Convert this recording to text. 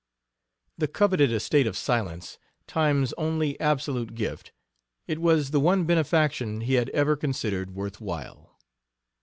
The coveted estate of silence, time's only absolute gift, it was the one benefaction he had ever considered worth while.